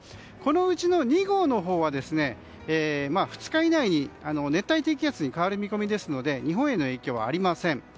このうちの２号のほうは２日以内に熱帯低気圧に変わる見込みですので日本への影響はありません。